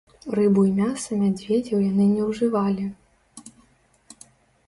Рыбу і мяса мядзведзяў яны не ўжывалі.